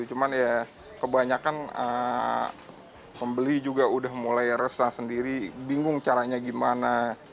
cuman ya kebanyakan pembeli juga udah mulai resah sendiri bingung caranya gimana